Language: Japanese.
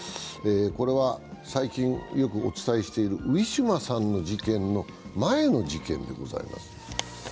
これは最近、よくお伝えしているウィシュマさんの事件の前の事件でございます。